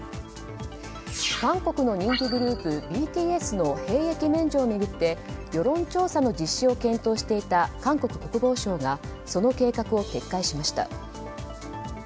韓国の人気グループＢＴＳの兵役免除を巡って世論調査の実施を検討していた韓国国防省がその計画を撤回しました。